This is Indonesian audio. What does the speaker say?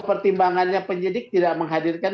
pertimbangannya penyidik tidak menghadirkan